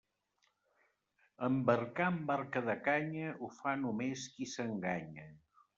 Embarcar en barca de canya ho fa només qui s'enganya.